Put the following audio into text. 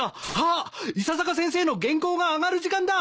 ああっ伊佐坂先生の原稿が上がる時間だ。